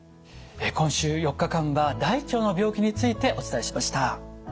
今週４日間は大腸の病気についてお伝えしました。